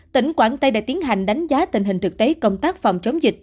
tỉnh quảng tây đã tiến hành đánh giá tình hình thực tế công tác phòng chống dịch